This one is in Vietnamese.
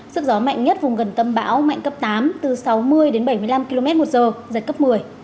sức gió mạnh nhất vùng gần tâm bão mạnh cấp tám từ sáu mươi đến bảy mươi năm km một giờ giật cấp một mươi